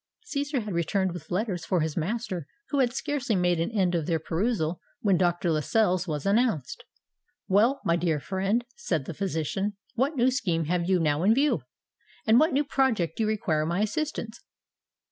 Cæsar had returned with letters for his master, who had scarcely made an end of their perusal when Dr. Lascelles was announced. "Well, my dear friend," said the physician, "what new scheme have you now in view? in what new project do you require my assistance?"